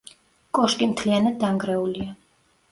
კოშკი მთლიანად დანგრეულია.